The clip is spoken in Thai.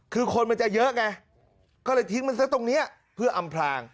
คือคนมันจะเยอะไงก็เลยทิ้งมันซะตรงนี้เพื่ออำพลาง